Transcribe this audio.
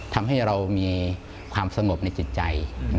ทำให้เรามีความสงบในจิตใจ